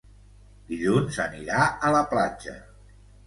Dilluns anirà a la platja.